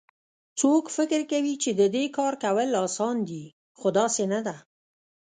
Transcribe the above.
څوک فکر کوي چې د دې کار کول اسان دي خو داسي نه ده